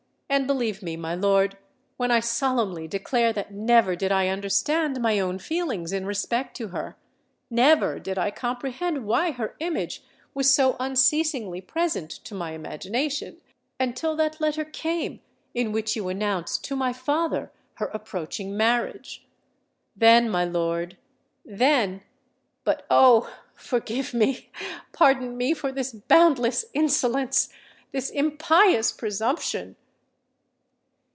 And believe me, my lord, when I solemnly declare that never did I understand my own feelings in respect to her—never did I comprehend why her image was so unceasingly present to my imagination—until that letter came in which you announced to my father her approaching marriage. Then, my lord, then——but—oh! forgive me—pardon me for this boundless insolence—this impious presumption!"